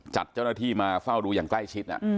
จัดเจ้าหน้าที่มาเฝ้าดูอย่างใกล้ชิด